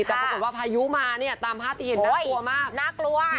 แต่ปรากฏว่าพายุมาเนี่ยตามภาพที่เห็นน่ากลัวมากน่ากลัว